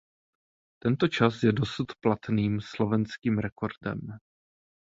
Tento čas je dosud platným slovenským rekordem.